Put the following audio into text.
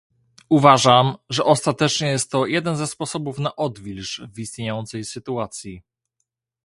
Uważam, że ostatecznie jest to jeden ze sposobów na odwilż w istniejącej sytuacji